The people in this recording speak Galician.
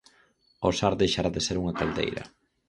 O Sar deixará de ser unha caldeira.